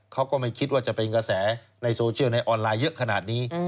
เขาก็ไม่คิดว่าจะเป็นกระแสในโซเชียลในออนไลน์เยอะขนาดนี้